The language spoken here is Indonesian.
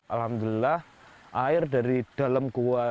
alhamdulillah air dari dalam gua